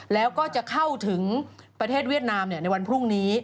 แล้วก็จะเข้าถึงประเทศเวียดนามในวันพรุ่งนี้